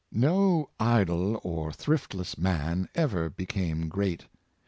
No idle or thriftless man ever became great.